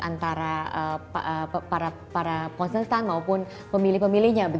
antara para konsultan maupun pemilih pemilihnya